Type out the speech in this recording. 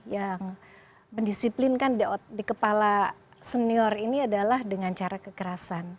yang mendisiplinkan di kepala senior ini adalah dengan cara kekerasan